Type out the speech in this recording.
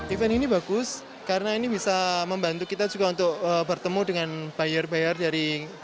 event ini bagus karena ini bisa membantu kita juga untuk bertemu dengan buyer buyer dari